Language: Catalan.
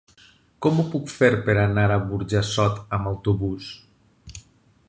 Com ho puc fer per anar a Burjassot amb autobús?